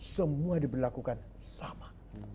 semua diberlakukan sama